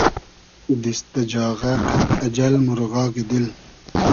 دیست دۂ جاغۂ قئد اجئل مورغاگی دیل